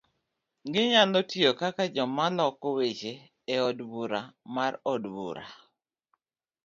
Ginyalo tiyo kaka joma loko weche e od bura mar od bura,